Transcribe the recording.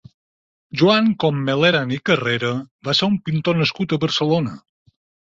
Joan Commeleran i Carrera va ser un pintor nascut a Barcelona.